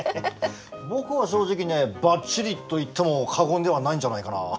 僕は正直ねばっちりと言っても過言ではないんじゃないかな。